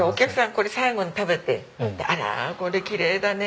これ最後に食べてあらこれきれいだね！